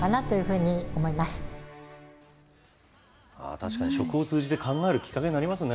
確かに食を通じて考えるきっかけになりますね。